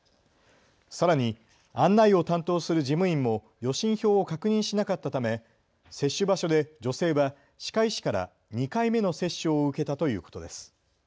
さらに、案内を担当する事務員も予診票を確認しなかったため接種場所で女性は歯科医師から２回目の接種を受けたということです。